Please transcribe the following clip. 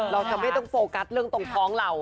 เราทำให้ต้องโฟกัสเรื่องตรงพ้องเรา